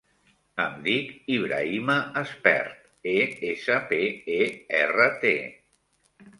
Em dic Ibrahima Espert: e, essa, pe, e, erra, te.